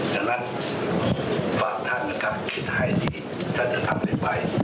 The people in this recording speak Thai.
ดังนั้นฝากท่านนะครับคิดให้ที่ท่านจะทำนี้ไป